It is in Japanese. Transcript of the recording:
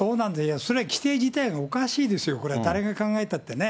それは規程自体がおかしいですよ、これは誰が考えたってね。